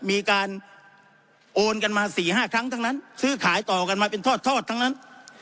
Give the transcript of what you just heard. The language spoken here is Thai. มีการโอนกันมา๔๕ครั้งทั้งนั้นซื้อขายต่อกันมาเป็นทอดทั้งนั้น